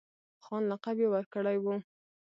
خان لقب یې ورکړی وو.